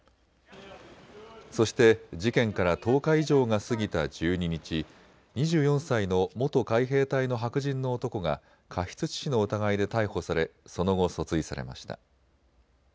そして事件から１０日以上が過ぎた１２日、２４歳の元海兵隊の白人の男が過失致死の疑いで逮捕されその後、訴追されました。